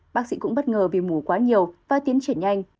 bác sĩ cũng bất ngờ vì mù quá nhiều và tiến triển nhanh